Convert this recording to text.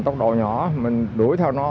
tốc độ nhỏ mình đuổi theo nó